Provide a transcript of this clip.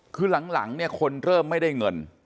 คือหลังเนี่ยคนเริ่มไม่ได้เงิน